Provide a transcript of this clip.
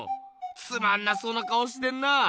つまんなそうな顔してんな。